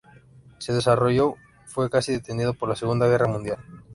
Su desarrollo fue casi detenido por la Segunda Guerra Mundial.